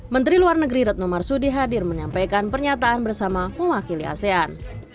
menteri luar negeri retno marsudi hadir menyampaikan pernyataan bersama mewakili asean